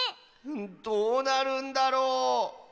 どうなるんだろう。